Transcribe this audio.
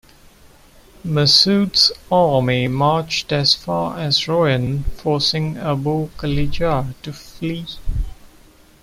Mas'ud's army marched as far as Royan, forcing Abu Kalijar to flee.